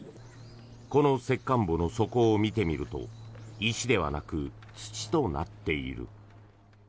この石棺墓の底を見てみると石ではなく土となっている。